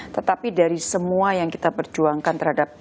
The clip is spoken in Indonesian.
tetapi dari semua yang kita perjuangkan terhadap